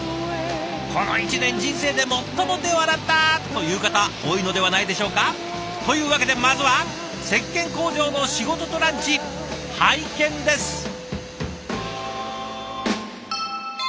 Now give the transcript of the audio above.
この１年人生で最も手を洗ったという方多いのではないでしょうか？というわけでまずは石鹸工場の仕事とランチ拝見です！